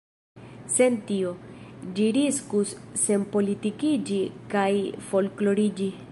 Sen tio, ĝi riskus senpolitikiĝi kaj folkloriĝi.